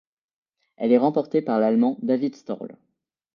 Elle est remportée par l'Allemand David Storl.